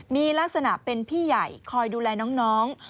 มีลักษณะเป็นพี่ใหญ่คอยดูแลน้อง